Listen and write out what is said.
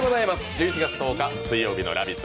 １１月１０日水曜日の「ラヴィット！」